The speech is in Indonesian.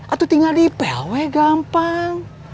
atau tinggal di plw gampang